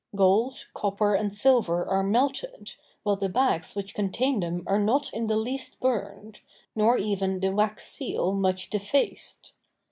Gold, copper, and silver are melted, while the bags which contain them are not in the least burned, nor even the wax seal much defaced.